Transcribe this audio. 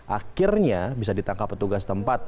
akhirnya bisa ditangkap petugas tempat